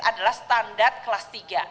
adalah standar kelas tiga